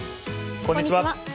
こんにちは。